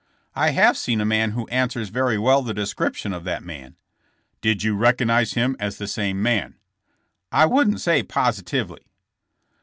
"I have seen a man who answers very well the description of that man." *'Did you recognize him as the same man?" *'I wouldn't say positively."